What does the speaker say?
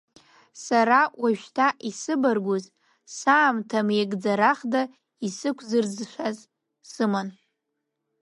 Сара уажәшьҭа, исыбаргәыз, саамҭа меигӡарахда изықәсырӡшаз сыман.